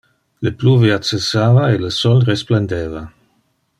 Le pluvia cessava e le sol resplendeva.